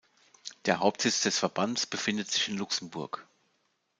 Der Hauptsitz des Verbands befindet sich in Luxemburg.